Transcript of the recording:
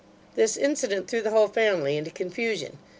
This incident threw the whole family into confusion.